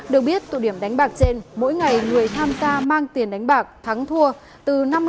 được biết tụ điểm đánh bạc trên mỗi ngày người tham gia mang tiền đánh bạc thắng thua từ năm mươi triệu đến hai trăm linh triệu đồng